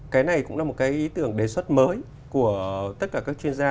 cái này cũng là một cái ý tưởng đề xuất mới của tất cả các chuyên gia